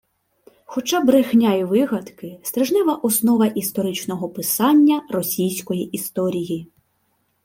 Хоча брехня й вигадки – стрижнева основа історичного «писання» російської історії